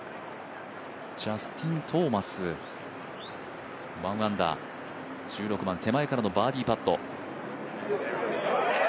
ジャスティン・トーマス１アンダー、１６番手前からのバーディーパット。